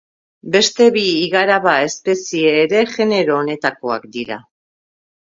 Beste bi igaraba espezie ere genero honetakoak dira.